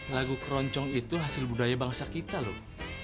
lagu keroncong itu hasil budaya bangsa kita loh